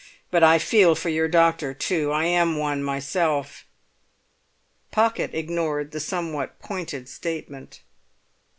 But I feel for your doctor too. I am one myself." Pocket ignored the somewhat pointed statement.